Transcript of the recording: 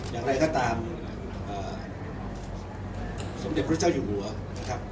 อย่างไรก็ตามสมเด็จพระเจ้าอยู่หัวนะครับ